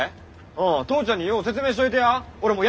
父ちゃんによう説明しといてや。